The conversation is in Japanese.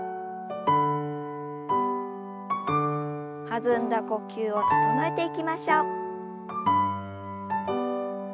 弾んだ呼吸を整えていきましょう。